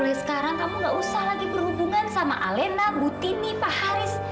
mulai sekarang kamu gak usah lagi berhubungan sama alina butini pak haris